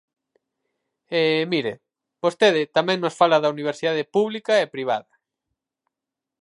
E, mire, vostede tamén nos fala da universidade pública e privada.